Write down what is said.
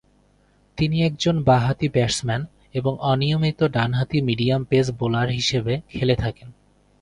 তিনি একজন বা-হাতি ব্যাটসম্যান এবং অনিয়মিত ডান হাতি মিডিয়াম পেস বোলার হিসেবে খেলে থাকেন।